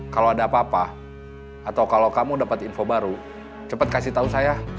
kalau ada apa apa atau kalau kamu dapat info baru cepat kasih tahu saya